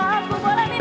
sakitnya ku disini